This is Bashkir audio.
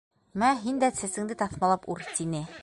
— Мә, һин дә сәсеңде таҫмалап үр, — тине.